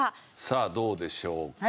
さあどうでしょうか。